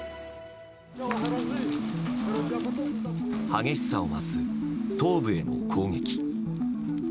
激しさを増す東部への攻撃。